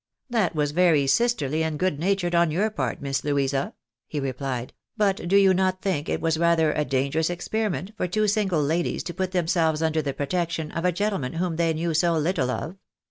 " That was very sisterly and good natured on your part. Miss Louisa," he replied ;" but do you not think it was rather a dan gerous experiment for two single ladies to put themselves under the protection of a gentleman whom they knew so little of